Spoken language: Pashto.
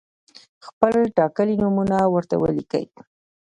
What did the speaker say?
خپل ټاکلي نومونه ورته ولیکئ.